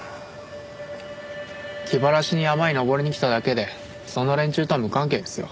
気晴らしに山に登りに来ただけでそんな連中とは無関係ですよ。